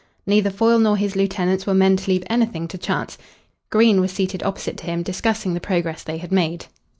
Neither Foyle nor his lieutenants were men to leave anything to chance. Green was seated opposite to him, discussing the progress they had made.